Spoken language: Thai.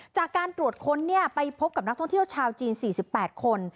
จากการตรวจค้นไปพบกับนักท่องเที่ยวชาวจีน๔๘คน